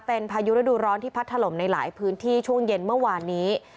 เป็นพายุฤดูร้อนที่พัดถล่มในหลายพื้นที่ช่วงเย็นเมื่อวานนี้